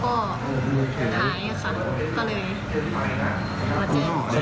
ก็เลยมาแจ้ง